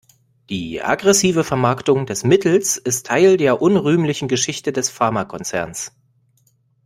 Die aggressive Vermarktung des Mittels ist Teil der unrühmlichen Geschichte des Pharmakonzerns.